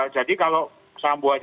jadi kalau sambo saja